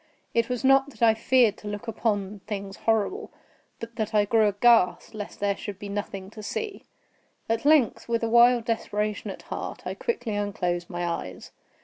It was not that I feared to look upon things horrible, but that I grew aghast lest there should be nothing to see. At length, with a wild desperation at heart, I quickly unclosed my eyes.